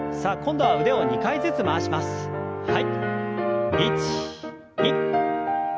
はい。